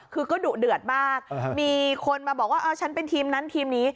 คือก็ดุเดือดมากมีคนมาบอกว่าเอาฉันเป็นทีมนั้นทีมนี้